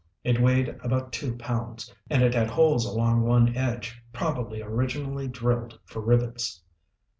It weighed about two pounds, and it had holes along one edge, probably originally drilled for rivets.